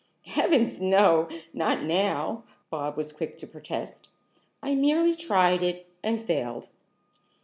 "Heavens no! Not now!" Bobs was quick to protest. "I merely tried it, and failed."